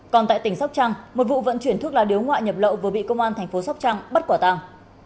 còn tại tỉnh sóc trăng một vụ vận chuyển thuốc lá điếu ngoại nhập lậu vừa bị công an thành phố sóc trăng bắt quả tàng